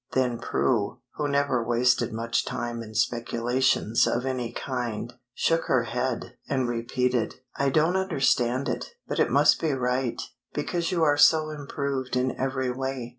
Then Prue, who never wasted much time in speculations of any kind, shook her head, and repeated "I don't understand it, but it must be right, because you are so improved in every way.